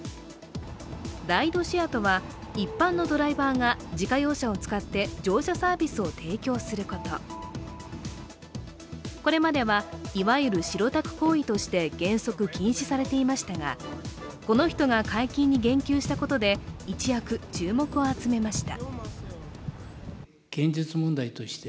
ライドシェアとは、一般のドライバーが自家用車を使って乗車サービスを提供することこれまではいわゆる白タク行為として原則禁止されていましたが、この人が解禁に言及したことで一躍、注目を集めました。